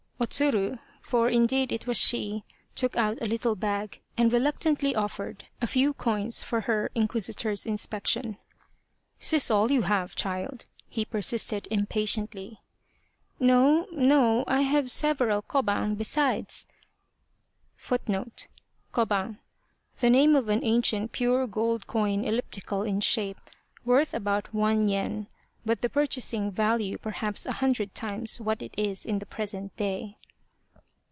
O Tsuru, for indeed it was she, took out a little bag, and reluctantly offered a few coins for her in quisitor's inspection. " Is this all you have, child ?" he persisted im patiently. " No, no, I have several koban * besides," answered the girl, her childish mind exaggerating the amount. * Koban the name of an ancient pure gold coin elliptical in shape, worth about one Yen, but the purchasing value perhaps a hundred times what it is in the present day.